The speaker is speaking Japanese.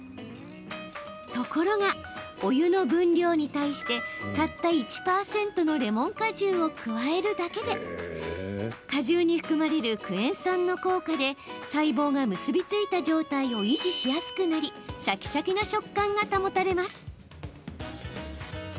ところが、お湯の分量に対してたった１％のレモン果汁を加えるだけで果汁に含まれるクエン酸の効果で細胞が結び付いた状態を維持しやすくなりシャキシャキな食感が保たれます。